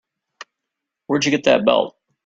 Where'd you get that belt?